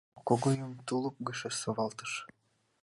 — адак виянрак кычкыралын, Когойым тулуп гычше совалтыш.